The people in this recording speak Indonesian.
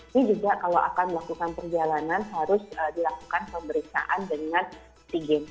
ini juga kalau akan melakukan perjalanan harus dilakukan pemeriksaan dengan antigen